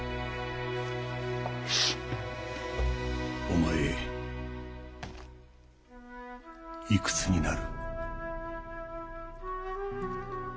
お前いくつになる？